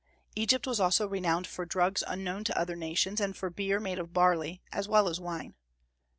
Egypt was also renowned for drugs unknown to other nations, and for beer made of barley, as well as wine.